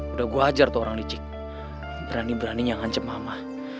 udah gue ajar tuh orang licik berani beraninya ngancep mama